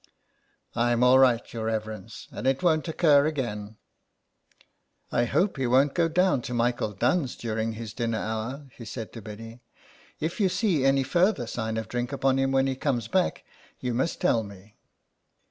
" Pm all right, your reverence, and it won't occur again." " I hope he won't go down to Michael Dunne's during his dinner hour/' he said to Biddy. " If you see any further sign of drink upon him when he comes back you must tell me."